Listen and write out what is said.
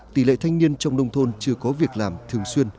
tỷ lệ thanh niên trong nông thôn chưa có việc làm thường xuyên